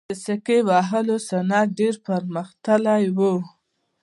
د سکې وهلو صنعت ډیر پرمختللی و